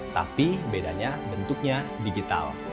tapi bedanya bentuknya digital